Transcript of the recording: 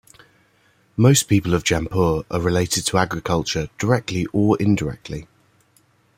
Most people of Jampur are related to agriculture directly or indirectly.